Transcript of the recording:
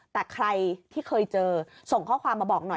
แต่ใครที่เคยเจอส่งข้อความมาบอกหน่อย